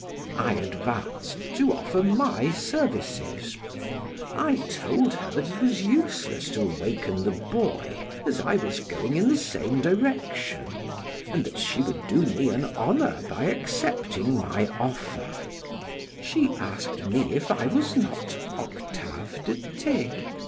I advanced to offer my services; I told her that it was useless to awaken the boy as I was going in the same direction, and that she would do me an honor by accepting my offer. She asked me if I was not Octave de T